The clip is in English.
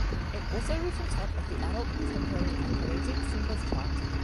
It also reached the top of the Adult Contemporary and Canadian Singles Chart.